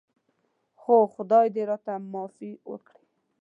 خو خدای دې راته معافي وکړي.